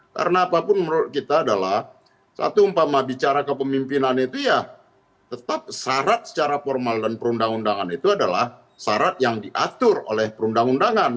karena apapun menurut kita adalah satu umpama bicara kepemimpinan itu ya tetap syarat secara formal dan perundang undangan itu adalah syarat yang diatur oleh perundang undangan